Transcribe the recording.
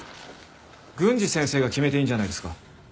郡司先生が決めていいんじゃないですか？